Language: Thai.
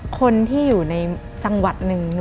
คนที่อยู่ในจังหวัดหนึ่ง